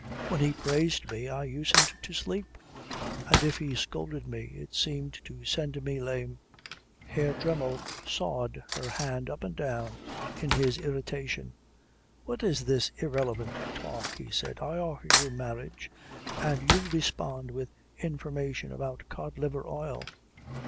When he praised me I usedn't to sleep. And if he scolded me it seemed to send me lame." Herr Dremmel sawed her hand up and down in his irritation. "What is this irrelevant talk?" he said. "I offer you marriage, and you respond with information about cod liver oil.